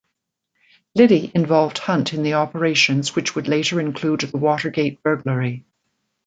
Liddy involved Hunt in the operations which would later include the Watergate burglary.